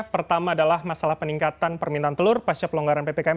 pertama adalah masalah peningkatan permintaan telur pasca pelonggaran ppkm